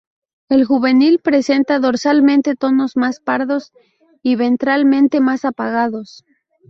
El juvenil presenta dorsalmente tonos más pardos, y ventralmente más apagados.